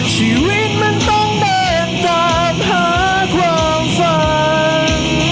ชีวิตมันต้องเดินตามหาความฝัน